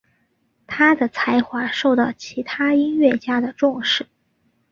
他的才华受到其他音乐家的重视。